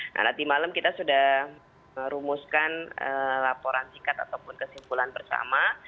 nah nanti malam kita sudah merumuskan laporan sikat ataupun kesimpulan bersama